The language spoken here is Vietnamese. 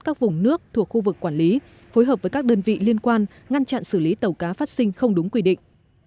các vùng nước thuộc khu vực quản lý phối hợp với các đơn vị liên quan ngăn chặn xử lý tàu cá phát sinh không đúng quy định